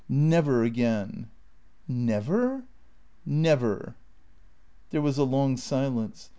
Never again." "Never?" "Never." There was a long silence.